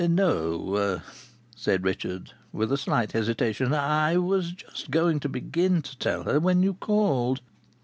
"No!" said Richard, with a slight hesitation. "I was just going to begin to tell her when you called."